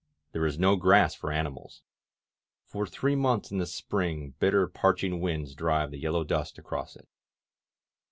There is no grass for animals. For three months in the spring bitter, parching winds drive the yellow dust across it.